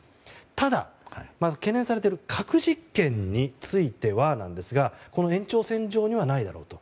ただ、懸念されている核実験についてはなんですがこの延長線上にはないだろうと。